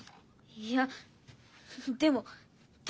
いやでもだ